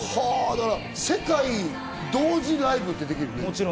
だから世界同時ライブができるね。